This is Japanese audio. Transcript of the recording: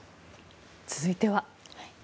続いては。